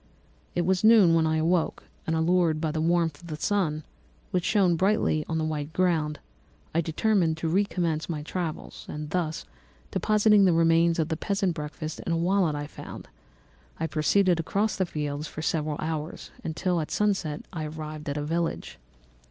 "It was noon when I awoke, and allured by the warmth of the sun, which shone brightly on the white ground, I determined to recommence my travels; and, depositing the remains of the peasant's breakfast in a wallet I found, I proceeded across the fields for several hours, until at sunset I arrived at a village.